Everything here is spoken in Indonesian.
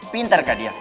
pintar kah dia